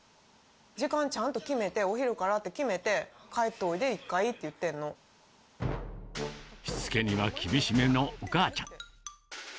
時間ちゃんと決めて、お昼からって決めて、帰っておいで、しつけには厳しめのお母ちゃん。